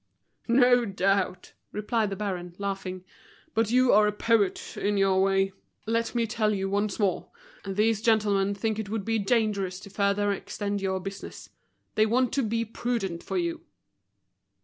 "No doubt," replied the baron, laughing. "But you are a poet in your way, let me tell you once more. These gentlemen think it would be dangerous to further extend your business. They want to be prudent for you."